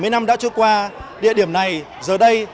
bảy mươi năm đã trôi qua địa điểm này giờ đây